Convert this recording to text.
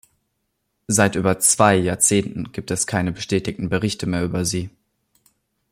Seit über zwei Jahrzehnten gibt es keine bestätigten Berichte mehr über sie.